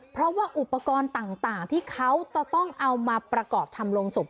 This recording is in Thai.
เพราะว่าอุปกรณ์ต่างที่เขาจะต้องเอามาประกอบทำโรงศพ